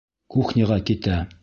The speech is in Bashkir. Кухняға китә.